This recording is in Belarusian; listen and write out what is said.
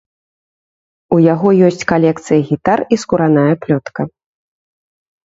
У яго ёсць калекцыя гітар і скураная плётка.